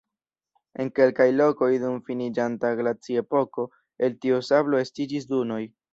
En kelkaj lokoj dum finiĝanta glaciepoko el tiu sablo estiĝis dunoj.